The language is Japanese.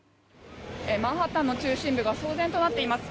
マンハッタンの中心部が騒然となっています。